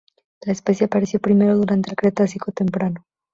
La especie apareció primero durante el Cretácico temprano.